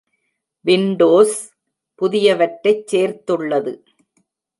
Windows புதியவற்றைச் சேர்த்துள்ளது.